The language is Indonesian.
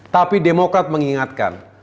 tapi demokrat mengingatkan